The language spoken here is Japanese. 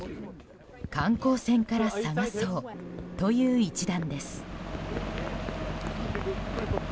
観光船から探そうという一団です。